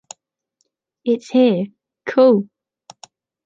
It’s here. Cool.